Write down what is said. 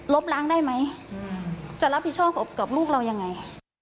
ล้างได้ไหมจะรับผิดชอบกับลูกเรายังไง